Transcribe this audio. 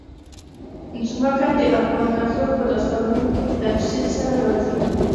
ځمکه د افغان کلتور په داستانونو کې په تفصیل سره راځي.